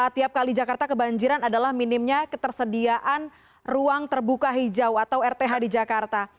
tiap kali jakarta kebanjiran adalah minimnya ketersediaan ruang terbuka hijau atau rth di jakarta